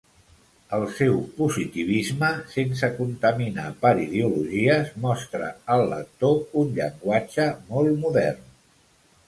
El seu positivisme, sense contaminar per ideologies, mostra al lector un llenguatge molt modern.